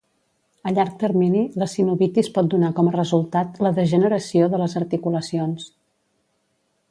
A llarg termini la sinovitis pot donar com a resultat la degeneració de les articulacions.